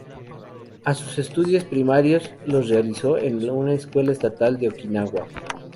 A sus estudios primarios los realizó en una Escuela Estatal de Okinawa.